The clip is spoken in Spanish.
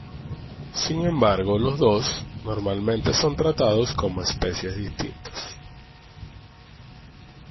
Sin embargo, los dos normalmente son tratados como especies distintas.